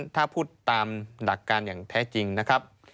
ถ้าพูดตามหลักการอย่างแท้จริงนะครับ